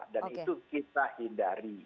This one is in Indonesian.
dan itu kita hindari